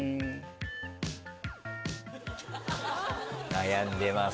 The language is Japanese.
悩んでます。